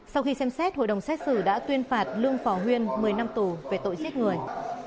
sau khi xem xét hội đồng xét xử đã tuyên phạt lương phỏ huyên một mươi năm tù về tội giết người